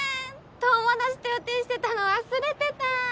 友達と予定してたの忘れてた。